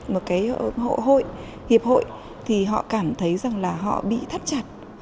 một cái hội hội hiệp hội thì họ cảm thấy rằng là họ bị thắt chặt